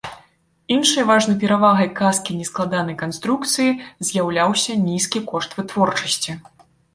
Іншай важнай перавагай каскі нескладанай канструкцыі з'яўляўся нізкі кошт вытворчасці.